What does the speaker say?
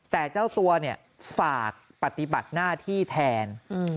แต่เจ้าตัวเนี่ยฝากปฏิบัติหน้าที่แทน